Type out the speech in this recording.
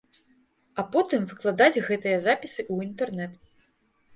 А потым выкладаць гэтыя запісы ў інтэрнэт.